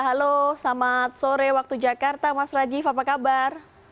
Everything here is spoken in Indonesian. halo selamat sore waktu jakarta mas rajif apa kabar